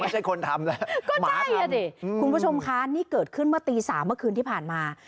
คนทำแล้วหมาทำดิคุณผู้ชมคะนี่เกิดขึ้นเมื่อตี๓เมื่อคืนที่ผ่านมา